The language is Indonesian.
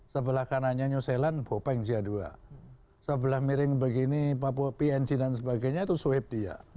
sebelah kanannya new zealand bopeng j dua sebelah miring begini papua png dan sebagainya itu swab dia